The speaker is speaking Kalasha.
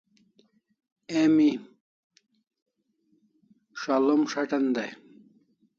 Emi s'alo'm s'atan dai